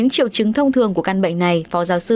triệu chứng rõ nhất là y dược